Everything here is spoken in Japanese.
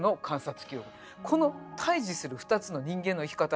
この対じする２つの人間の生き方。